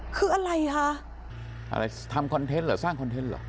คืออะไรคะอะไรทำคอนเทนต์เหรอสร้างคอนเทนต์เหรอ